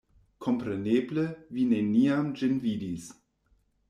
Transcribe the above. Kompreneble, vi neniam ĝin vidis.